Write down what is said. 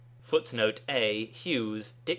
[a] [Footnote a: Hughes, _Dict.